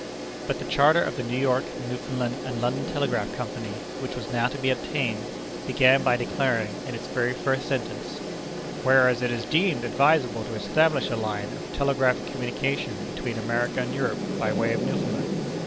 But the charter of the New York, Newfoundland, and London Telegraph Company, which was now to be obtained, began by declaring, in its very first sentence: "Whereas it is deemed advisable to establish a line of telegraphic communication between America and Europe by way of Newfoundland."